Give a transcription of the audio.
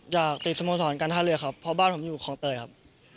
อยากติดสโมสรการท่าเรือครับเพราะบ้านผมอยู่คลองเตยครับ